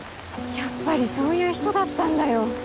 やっぱりそういう人だったんだよ。